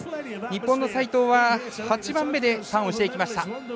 日本の齋藤は８番目でターンをしていきました。